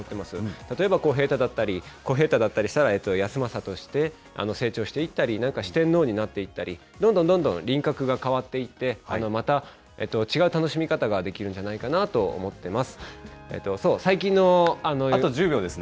例えば小平太だったり、小平太だったりしたら、康政として成長していったり、なんか、四天王になっていったり、どんどんどんどん輪郭が変わっていって、また、違う楽しみ方ができるんじゃないかなぁと思ってます。